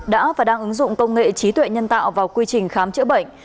đã và đang ứng dụng công nghệ trí tuệ nhân tạo vào quy trình khám chữa bệnh